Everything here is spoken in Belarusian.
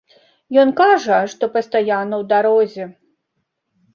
Ён кажа, што пастаянна ў дарозе.